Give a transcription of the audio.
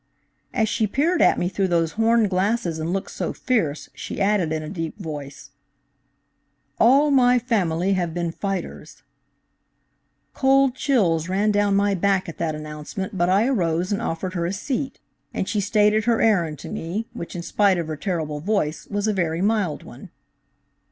"As she peered at me through those horned glasses and looked so fierce, she added in a deep voice: "'All my family have been fighters." "Cold chills ran down my back at that announcement, but I arose and offered her a seat, and she stated her errand to me, which in spite of her terrible voice, was a very mild one."